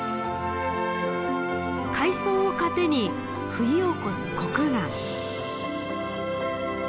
海藻を糧に冬を越すコクガン。